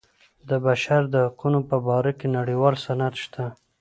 د بشر د حقونو په باره کې نړیوال سند شته.